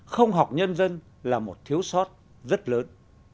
không học nhân dân là một thiếu sót rất lớn